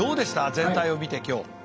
全体を見て今日。